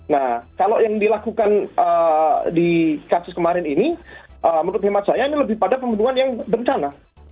nah kalau yang dilakukan di kasus kemarin ini menurut hemat saya ini lebih pada pembunuhan yang bencana